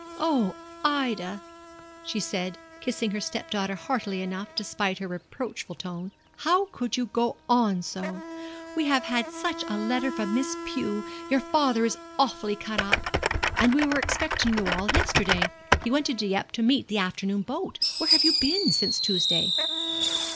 'Oh, Ida,' she said, kissing her step daughter heartily enough, despite her reproachful tone, 'how could you go on so! We have had such a letter from Miss Pew. Your father is awfully cut up. And we were expecting you all yesterday. He went to Dieppe to meet the afternoon boat. Where have you been since Tuesday?'